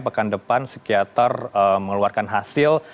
pekan depan psikiater mengeluarkan hasil